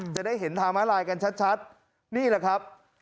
จะได้เห็นทางมาลายกันชัดนี่แหละครับ